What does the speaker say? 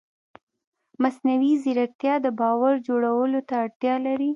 مصنوعي ځیرکتیا د باور جوړولو ته اړتیا لري.